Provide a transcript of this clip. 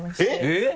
えっ！